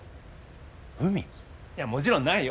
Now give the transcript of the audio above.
いやもちろんないよ。